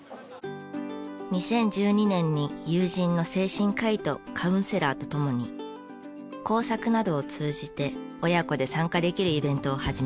２０１２年に友人の精神科医とカウンセラーと共に工作などを通じて親子で参加できるイベントを始めました。